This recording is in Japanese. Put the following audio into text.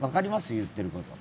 言ってること。